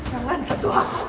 jangan sentuh aku